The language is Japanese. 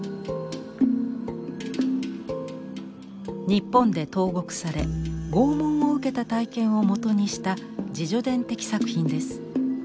日本で投獄され拷問を受けた体験をもとにした自叙伝的作品です。